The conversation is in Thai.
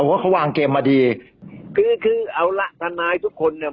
ว่าเขาวางเกมมาดีคือคือเอาละทนายทุกคนเนี่ย